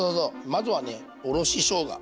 まずはねおろししょうが。